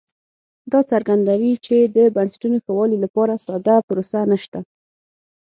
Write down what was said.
دا څرګندوي چې د بنسټونو ښه والي لپاره ساده پروسه نشته